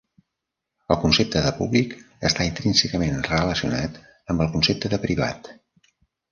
El concepte de públic està intrínsecament relacionat amb el concepte de privat.